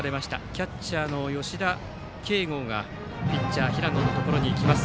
キャッチャーの吉田慶剛がピッチャー、平野のところへ行きます。